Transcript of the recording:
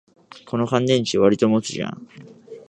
この乾電池、わりと持つじゃん